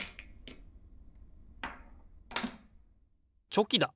チョキだ！